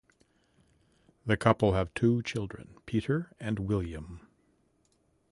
The couple have two children, Peter and William.